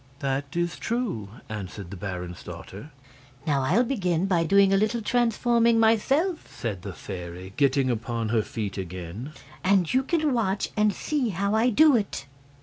"That is true," answered the baron's daughter. "Now, I'll begin by doing a little transforming myself," said the fairy, getting upon her feet again, "and you can watch and see how I do it."